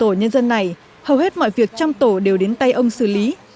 trong đoàn tổ trưởng tổ nhân dân này hầu hết mọi việc trong tổ đều đến tay ông xử lý